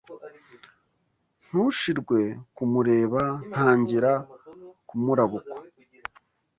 Ntushirwe kumureba Ntangira kumurabukwa